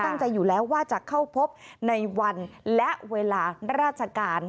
ตั้งใจอยู่แล้วว่าจะเข้าพบในวันและเวลาราชการ